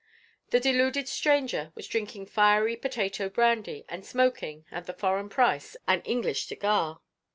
The deluded stranger was drinking fiery potato brandy, and smoking (at the foreign price) an English cigar.